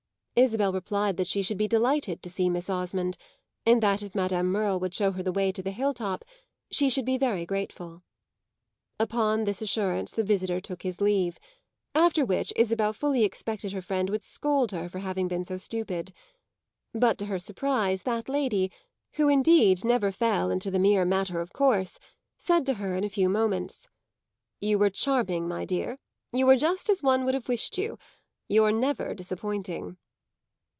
Isabel replied that she should be delighted to see Miss Osmond and that if Madame Merle would show her the way to the hill top she should be very grateful. Upon this assurance the visitor took his leave; after which Isabel fully expected her friend would scold her for having been so stupid. But to her surprise that lady, who indeed never fell into the mere matter of course, said to her in a few moments, "You were charming, my dear; you were just as one would have wished you. You're never disappointing."